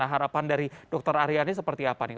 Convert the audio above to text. harapan dari dr aryani seperti apa nih